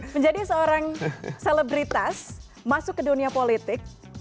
menjadi seorang selebritas masuk ke dunia politik